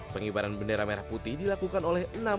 pengibaran bendera merah putih dilakukan oleh